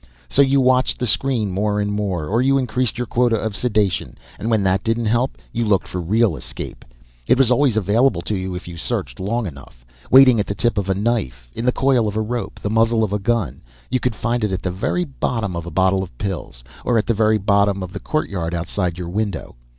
So you watched the screen more and more, or you increased your quota of sedation, and when that didn't help you looked for a real escape. It was always available to you if you searched long enough; waiting at the tip of a knife, in the coil of a rope, the muzzle of a gun. You could find it at the very bottom of a bottle of pills or at the very bottom of the courtyard outside your window.